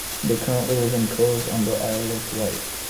They currently live in Cowes, on the Isle of Wight.